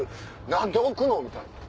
何で置くの！みたいな。